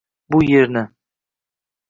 Bu yerni